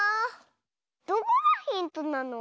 どこがヒントなの？